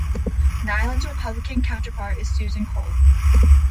Niland's Republican counterpart is Susan Cole.